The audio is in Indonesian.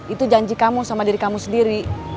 itu janji kamu sama diri kamu sendiri